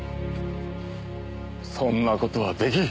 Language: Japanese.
そんな事は出来ん！